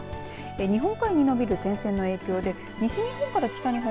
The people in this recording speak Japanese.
日本海に延びる前線の影響で西日本から北日本